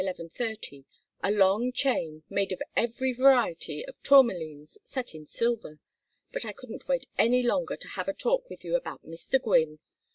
30 a long chain made of every variety of tourmalines set in silver. But I couldn't wait any longer to have a talk with you about Mr. Gwynne.